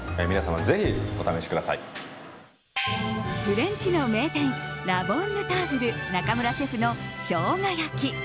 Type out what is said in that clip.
フレンチの名店ラ・ボンヌターブル中村シェフのショウガ焼き。